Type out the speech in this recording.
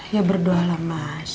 ya berdoa lah mas